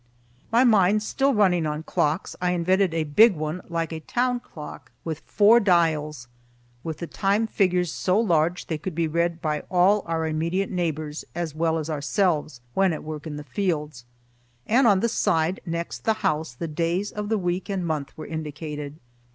My mind still running on clocks, I invented a big one like a town clock with four dials, with the time figures so large they could be read by all our immediate neighbors as well as ourselves when at work in the fields, and on the side next the house the days of the week and month were indicated.